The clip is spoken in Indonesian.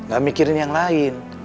gak mikirin yang lain